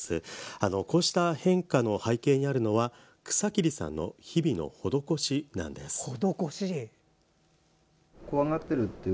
こうした変化の背景にあるのは草切さんの日々の施しなんです。